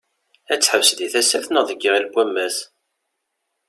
Ad teḥbes deg Tasaft neɣ deg Iɣil n wammas?